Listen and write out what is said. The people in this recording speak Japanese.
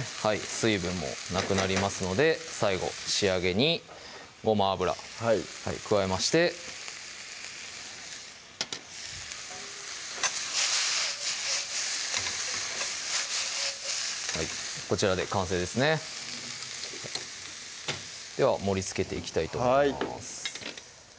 水分もなくなりますので最後仕上げにごま油加えましてこちらで完成ですねでは盛りつけていきたいと思います